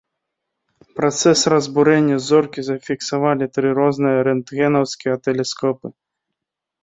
Працэс разбурэння зоркі зафіксавалі тры розныя рэнтгенаўскія тэлескопы.